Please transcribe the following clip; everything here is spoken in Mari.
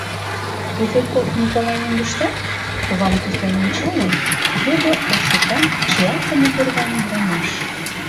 — Пузырьков Николай мӧҥгыштак? — кувам тӱслен ончалын, йодо ош ӱпан, чиялтыме тӱрван ӱдрамаш.